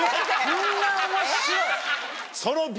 こんな面白い。